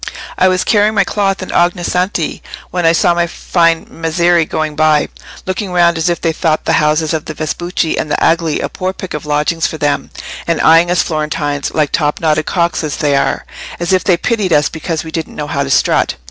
I was carrying my cloth in Ognissanti, when I saw my fine Messeri going by, looking round as if they thought the houses of the Vespucci and the Agli a poor pick of lodgings for them, and eyeing us Florentines, like top knotted cocks as they are, as if they pitied us because we didn't know how to strut.